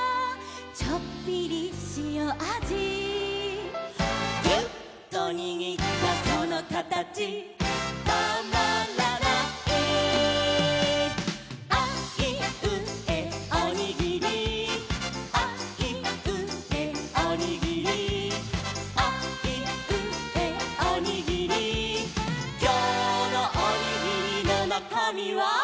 「ちょっぴりしおあじ」「ギュッとにぎったそのかたちたまらない」「あいうえおにぎり」「あいうえおにぎり」「あいうえおにぎり」「きょうのおにぎりのなかみは？」